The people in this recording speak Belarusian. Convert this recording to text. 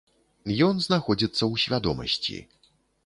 Ён знаходзіцца ў свядомасці.